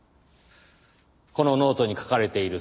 このノートに書かれている数式